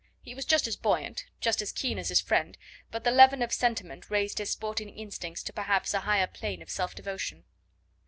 He was just as buoyant, just as keen as his friend, but the leaven of sentiment raised his sporting instincts to perhaps a higher plane of self devotion.